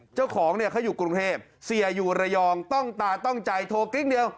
เจ้าของเขาอยู่กรุงเทพฯเสียอยู่ระยองต้องตาต้องจ่ายโทรกิ๊กเดียว